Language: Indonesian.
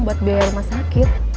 buat biaya rumah sakit